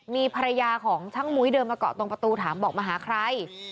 มีภรรยาของช่างมุ้ยเดินมาเกาะตรงประตูถามบอกมาหาใคร